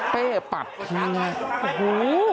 เป้ปัดทีไงโอ้โห